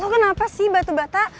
kenapa sih batu bata